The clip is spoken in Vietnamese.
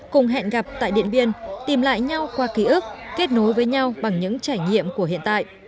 cùng hẹn gặp tại điện biên tìm lại nhau qua ký ức kết nối với nhau bằng những trải nghiệm của hiện tại